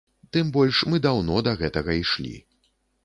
Тым больш мы даўно да гэтага ішлі.